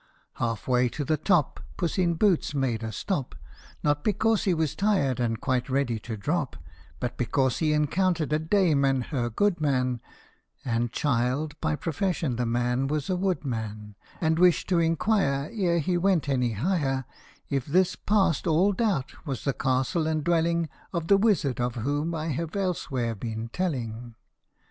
51 PUSS IN BOOTS. Half way to the top Puss in Boots made a stop Not because he was tired and quite ready to drop, But because he encountered a dame and her goodman And child by profession the man was a woodman And wished to inquire Ere he went any higher If this past all doubt was the castle and dwelling Of the wizard of whom I have elsewhere been telling.